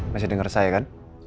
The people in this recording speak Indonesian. masih dengar saya kan